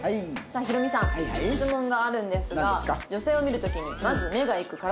さあヒロミさん質問があるんですが女性を見る時にまず目がいく体のパーツ